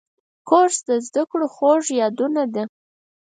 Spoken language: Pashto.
کورس د زده کړو خوږ یادونه ده.